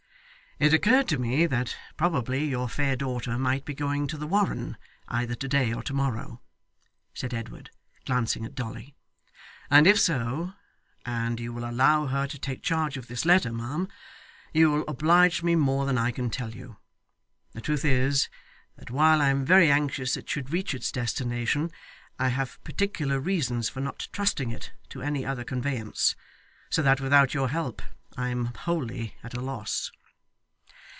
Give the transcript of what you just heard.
'It occurred to me that probably your fair daughter might be going to the Warren, either to day or to morrow,' said Edward, glancing at Dolly; 'and if so, and you will allow her to take charge of this letter, ma'am, you will oblige me more than I can tell you. The truth is, that while I am very anxious it should reach its destination, I have particular reasons for not trusting it to any other conveyance; so that without your help, I am wholly at a loss.